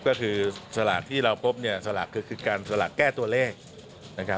ก็คือสลากที่เราพบสลากคือการแก้ตัวเลข